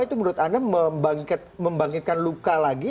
itu menurut anda membangkitkan luka lagi